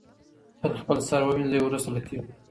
تل خپل سر ووینځئ وروسته له تېلو.